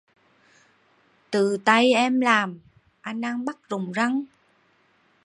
Tự tay em làm, anh ăn bắt rụng răng